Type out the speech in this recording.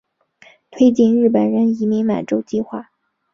推进日本人移民满洲计划。